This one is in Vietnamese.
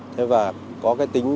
thế và có cái tính răn đe